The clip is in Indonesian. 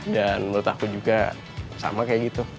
dan menurut aku juga sama kayak gitu